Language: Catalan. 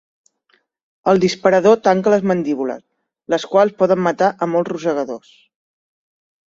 El disparador tanca les mandíbules, les quals poden matar a molts rosegadors.